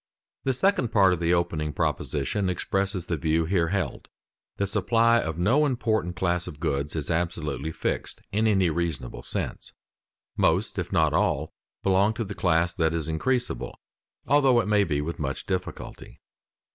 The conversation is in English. The second part of the opening proposition expresses the view here held: the supply of no important class of goods is absolutely fixed, in any reasonable sense. Most, if not all, belong to the class that is increasable, although it may be with much difficulty.